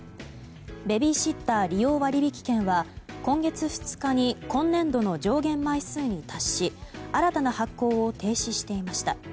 ベビーシッター利用割引券は今月２日に今年度の上限枚数に達し新たな発行を停止していました。